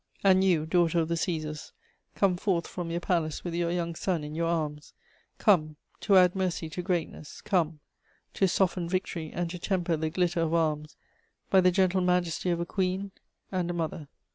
"And you, daughter of the Cæsars, come forth from your palace with your young son in your arms; come, to add mercy to greatness; come, to soften victory and to temper the glitter of arms by the gentle majesty of a queen and a mother."